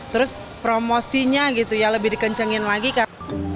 terus promosinya gitu ya lebih dikencangkan